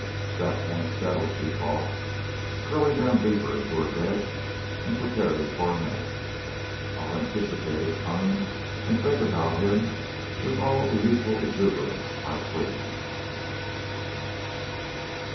"That point settled," she thought, curling down deeper into her bed and preparing for a nap, "I'll anticipate his coming and think about him with all the youthful exuberance I please."